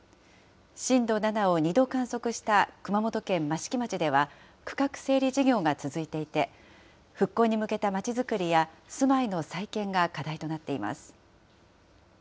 震度７を２度観測した熊本県益城町では、区画整理事業が続いていて、復興に向けたまちづくりや住まいの再建が課題となっています。